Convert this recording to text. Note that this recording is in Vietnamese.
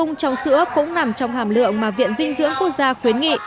bổ sung trong sữa cũng nằm trong hàm lượng mà viện dinh dưỡng quốc gia khuyến nghị